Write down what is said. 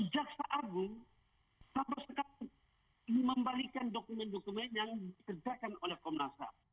jaksa agung sampai sekarang belum membalikan dokumen dokumen yang dikerjakan oleh komnas ham